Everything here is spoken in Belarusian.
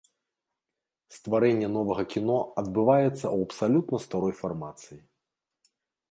Стварэнне новага кіно адбываецца ў абсалютна старой фармацыі.